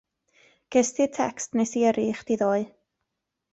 Gest ti'r tecst nesi yrru i chdi ddoe?